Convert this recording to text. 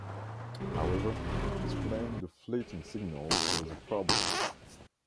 However, displaying the fleeting signals was a problem.